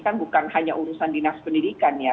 kan bukan hanya urusan dinas pendidikan ya